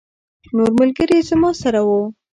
نور ملګري زما سره وو.